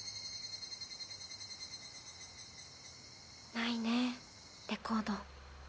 ないねレコード。